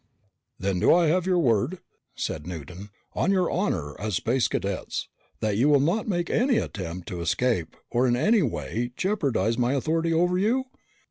"Then do I have your word," said Newton, "on your honor as Space Cadets, that you will not make any attempt to escape or in any way jeopardize my authority over you?"